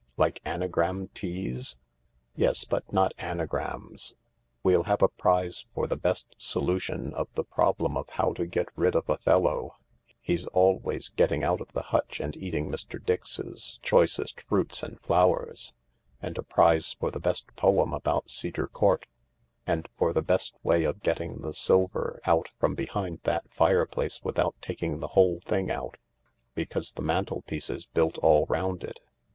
" Like anagram teas ?"" Yes, but not anagrams. We'll have a prize for the best solution of the problem of how to get rid of Othello — he's always getting out of the hutch and eating Mr. Dix's choicest fruits and flowers ; and a prize for the best poem about Cedar Court ; and for the best way of getting the silver out from behind that fireplace without taking the whole thing out, because the mantelpiece is built all round it.